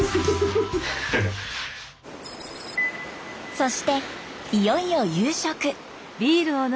そしていよいよ夕食。